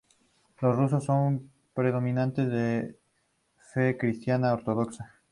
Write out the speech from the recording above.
Los rusos son predominantemente de fe cristiana ortodoxa.